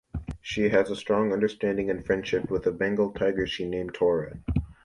She has a strong understanding and friendship with a Bengal tiger she named Tora.